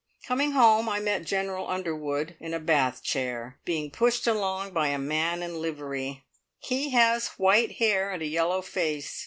Coming home, I met General Underwood in a bath chair, being pushed along by a man in livery. He has white hair and a yellow face.